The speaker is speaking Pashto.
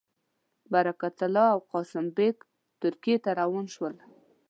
برکت الله او قاسم بېګ ترکیې ته روان شول.